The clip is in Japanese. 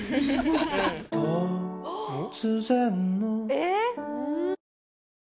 えっ？